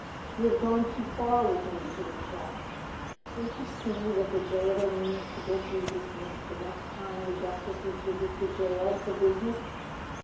You have gone too far with me to retract; don't you see that the jailer means to get you dismissed the next time the justices visit the jail for business?